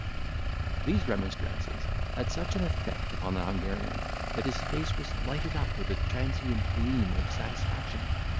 These remonstrances had such an effect upon the Hungarian, that his face was lighted up with a transient gleam of satisfaction.